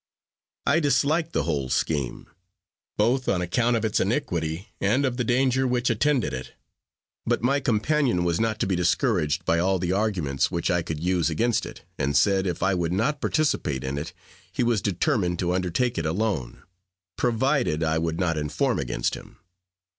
I disliked the whole scheme, both on account of its iniquity and of the danger which attended it; but my companion was not to be discouraged by all the arguments which I could use against it, and said, if I would not participate in it, he was determined to undertake it alone: provided I would not inform against him.